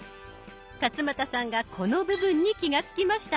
勝俣さんがこの部分に気が付きました。